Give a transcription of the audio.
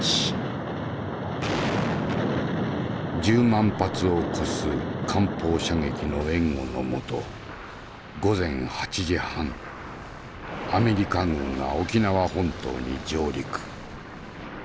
１０万発を超す艦砲射撃の援護のもと午前８時半アメリカ軍が沖縄本島に上陸。